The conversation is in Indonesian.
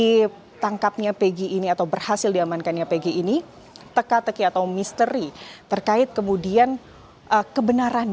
dengan maaf kemudian dengan ditangkapnya pegi ini atau berhasil diamankannya pegi ini teka teki atau misteri terkait kemudian kebenaran